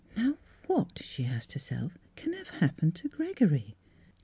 « Now what," she asked herself, " can have happened to Gregory?"